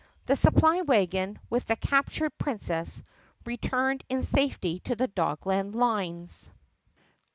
The supply wagon, with the captured Princess, returned in safety to the Dogland lines.